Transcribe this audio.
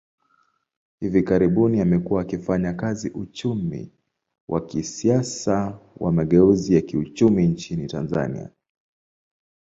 Hivi karibuni, amekuwa akifanya kazi uchumi wa kisiasa wa mageuzi ya kiuchumi nchini Tanzania.